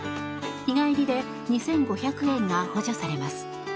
日帰りで２５００円が補助されます。